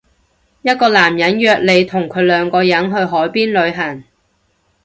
一個男人約你同佢兩個人去海邊旅行